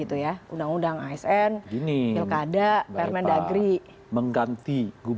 undang undang asn pilkada permendagri mengganti